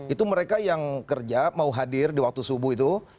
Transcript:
itu mereka yang kerja mau hadir di waktu subuh itu